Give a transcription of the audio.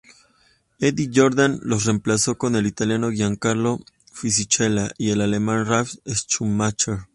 Eddie Jordan los reemplazó con el italiano Giancarlo Fisichella y el alemán Ralf Schumacher.